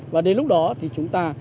và đến lúc đó thì chúng ta